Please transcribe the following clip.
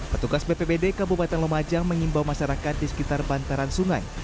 petugas bpbd kabupaten lumajang mengimbau masyarakat di sekitar bantaran sungai